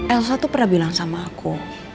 elsa tuh pernah bilang sama aku